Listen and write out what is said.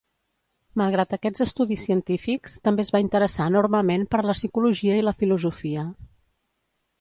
Malgrat aquests estudis científics, també es va interessar enormement per la psicologia i la filosofia.